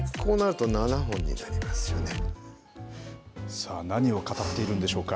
さあ、何を語っているんでしょうか。